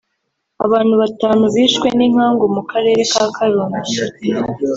Abantu batanu bishwe n’inkangu mu karere ka Karongi